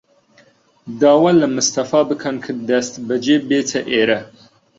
داوا لە مستەفا بکەن کە دەستبەجێ بێتە ئێرە.